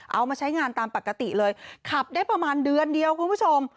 เอามาใช้งานตามปกติเลยขับได้ประมาณเดือนเดียวคุณผู้ชม